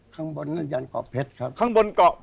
ข้างบนกรอกเพชรครับ